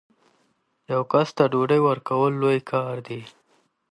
یو کس ته ډوډۍ ورکول لوی کار دی.